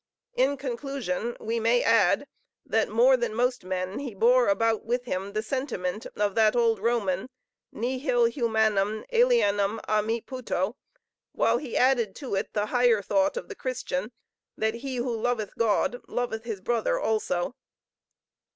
In conclusion we may add, that more than most men he bore about with him the sentiment of that old Roman, "Nihil humanum alienum a me puto," while he added to it the higher thought of the Christian, that he who loveth God loveth his brother also.